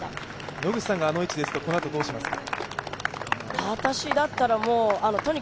野口さんがあの位置ですとどうしますか？